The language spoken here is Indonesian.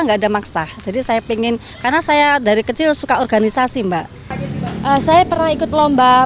tidak maksah jadi saya pingin karena saya dari kecil suka organisasi mbak saya pernah ikut lomba